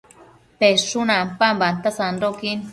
peshun ampambanta sandoquin